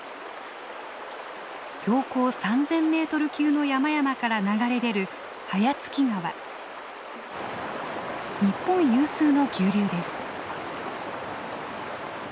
標高３，０００メートル級の山々から流れ出る日本有数の急流です。